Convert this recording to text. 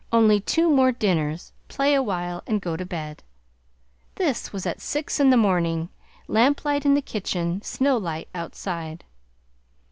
Only two more dinners, play a while and go to bed!' This was at six in the morning lamplight in the kitchen, snowlight outside!